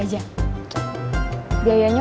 biayanya luar biasa ya